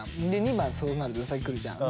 ２番そうなるとうさぎくるじゃん。